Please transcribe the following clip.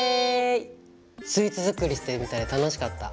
スイーツ作りしてるみたいで楽しかった。